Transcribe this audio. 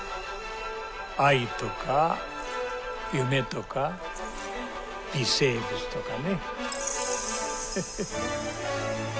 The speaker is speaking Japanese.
愛とか夢とか微生物とかね。